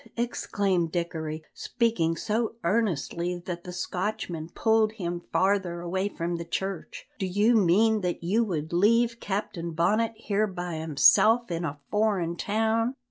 exclaimed Dickory, speaking so earnestly that the Scotchman pulled him farther away from the church, "do you mean that you would leave Captain Bonnet here by himself, in a foreign town?"